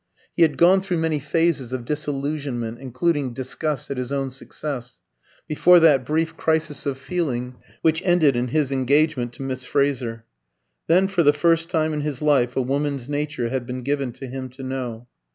He had gone through many phases of disillusionment (including disgust at his own success) before that brief crisis of feeling which ended in his engagement to Miss Fraser. Then, for the first time in his life, a woman's nature had been given to him to know.